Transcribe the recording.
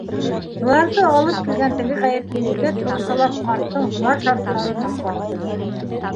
Быларҙы алып килгән теге ғәйепле егет руссалап ҡарттың һунар шарттарын аңлатты.